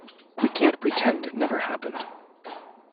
We can't pretend it never happened.